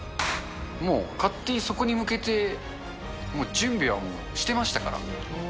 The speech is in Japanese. もう、勝手にそこに向けて、もう準備はもう、してましたから。